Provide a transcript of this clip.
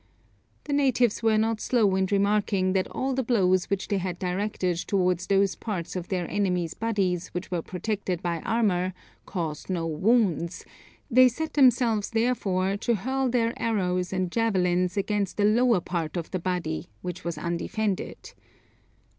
The natives were not slow in remarking that all the blows which they directed towards those parts of their enemies' bodies which were protected by armour, caused no wounds; they set themselves therefore to hurl their arrows and javelins against the lower part of the body, which was undefended.